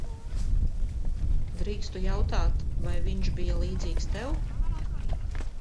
Drīkstu jautāt, vai viņš bija līdzīgs tev?